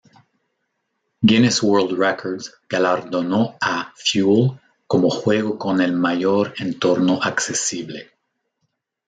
Guinness World Records galardonó a "Fuel" como juego con el mayor entorno accesible.